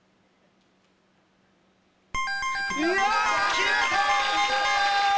決めた！